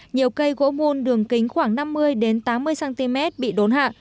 nhiều cây gỗ muôn đường kính khoảng năm mươi tám mươi cm bị đốn hạ